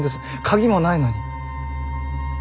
鍵もないのに。